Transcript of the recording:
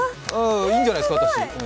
いいんじゃないですか、あたし。